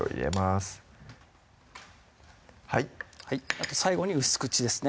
あと最後に薄口ですね